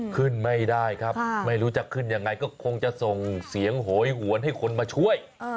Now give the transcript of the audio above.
ขึ้นไม่ได้ครับไม่รู้จะขึ้นยังไงก็คงจะส่งเสียงโหยหวนให้คนมาช่วย